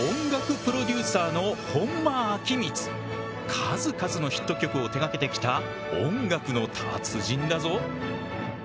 数々のヒット曲を手がけてきた音楽の達人だぞ。